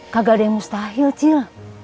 kagak ada yang mustahil cil